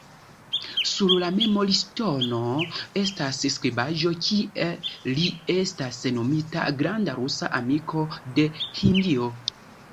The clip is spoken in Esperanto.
Sur la memorŝtono estas skribaĵo, kie li estas nomita “granda rusa amiko de Hindio.